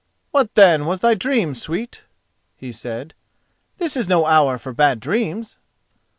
"What, then, was thy dream, sweet?" he said. "This is no hour for bad dreams."